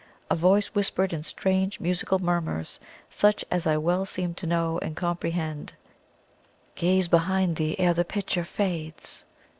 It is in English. A voice whispered in strange musical murmurs, such as I well seemed to know and comprehend: "Gaze behind thee ere the picture fades."